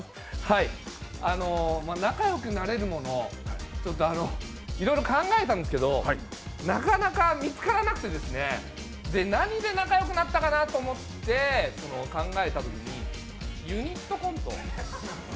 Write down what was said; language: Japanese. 仲良くなれるものいろいろ考えたんですけどなかなか見つからなくてですね、何で仲よくなったかなと思って考えたときに、ユニットコント。